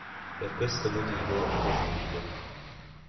Per questo motivo ad es.